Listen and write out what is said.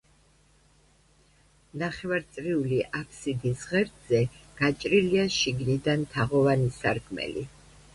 ნახევარწრიული აფსიდის ღერძზე გაჭრილია შიგნიდან თაღოვანი სარკმელი.